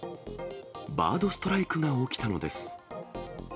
バードストライクが起きたのです。